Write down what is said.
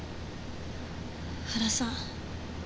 原さん。